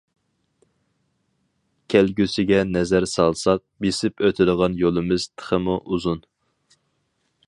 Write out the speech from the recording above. كەلگۈسىگە نەزەر سالساق، بېسىپ ئۆتىدىغان يولىمىز تېخىمۇ ئۇزۇن.